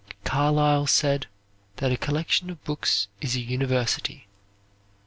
Carlyle said that a collection of books is a university.